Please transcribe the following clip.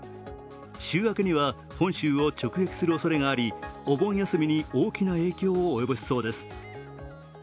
週明けには本州を直撃するおそれがあり、お盆休みに大きな影響を及ぼしそうです。